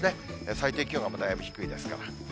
最低気温がだいぶ低いですから。